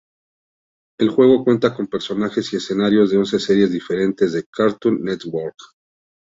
El juego cuenta con personajes y escenarios de once series diferentes de Cartoon Network.